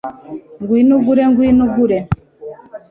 Ngwino ugure ngwino ugure